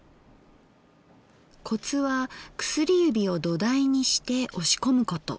コツは薬指を土台にして押し込むこと。